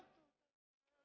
bagaimana kita bisa membuatnya